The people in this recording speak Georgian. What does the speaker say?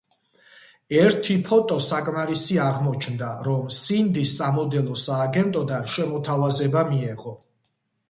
ერთი ფოტო საკმარისი აღმოჩნდა, რომ სინდის სამოდელო სააგენტოდან შემოთავაზება მიეღო.